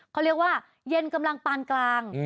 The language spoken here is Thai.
เขาเรียกว่าเย็นกำลังปานกลาง